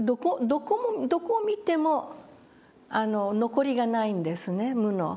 どこを見ても残りがないんですね無の。